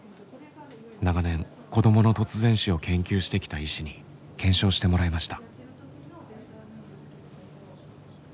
長年子どもの突然死を研究してきた医師に検証してもらいました。